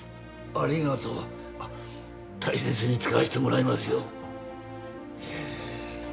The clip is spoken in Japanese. ありがとう大切に使わせてもらいますよ